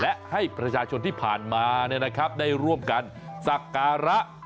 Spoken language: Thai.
และให้ประชาชนที่ผ่านมาเนี่ยนะครับได้ร่วมกันสักการะอ๋อ